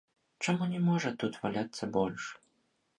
Чаму не можа тут валяцца больш?